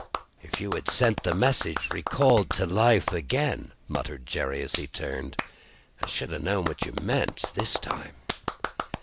"If you had sent the message, 'Recalled to Life,' again," muttered Jerry, as he turned, "I should have known what you meant, this time."